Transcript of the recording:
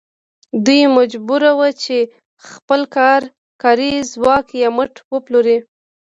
دوی مجبور وو چې خپل کاري ځواک یا مټ وپلوري